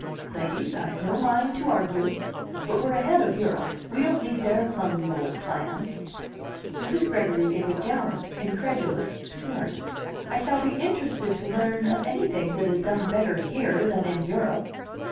"Ladies, I've no mind to argue. But we're ahead of Europe; we don't need their clumsy old plan." Mrs. Gregory gave a gallant, incredulous snort. "I shall be interested to learn of anything that is done better here than in Europe."